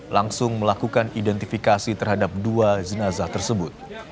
langsung melakukan identifikasi terhadap dua jenazah tersebut